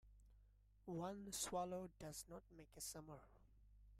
One swallow does not make a summer.